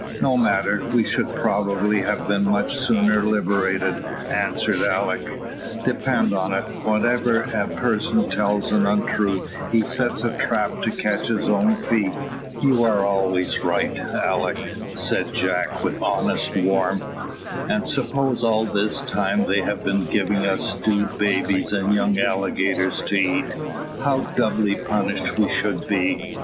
"No matter, we should probably have been much sooner liberated," answered Alick. "Depend on it, whenever a person tells an untruth he sets a trap to catch his own feet." "You are always right, Alick," said Jack, with honest warmth. "And suppose all this time they have been giving us stewed babies and young alligators to eat, how doubly punished we should be."